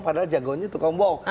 padahal jagaunya tukang bohong